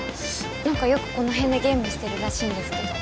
何かよくこの辺でゲームしてるらしいんですけど。